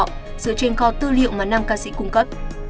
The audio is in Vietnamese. dựa trên kho tư liệu mà năm ca sĩ cung cấp